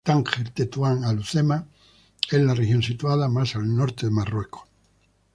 Tánger-Tetuán-Alhucemas es la región situada más al norte de Marruecos.